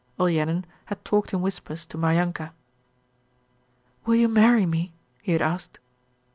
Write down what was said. Olenin had talked in whispers to Maryanka. 'Will you marry me?' he had asked.